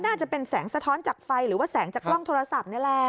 น่าจะเป็นแสงสะท้อนจากไฟหรือว่าแสงจากกล้องโทรศัพท์นี่แหละ